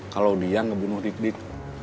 kalau dia ngebunuh dig dik